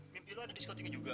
mimpi lo ada diskotiknya juga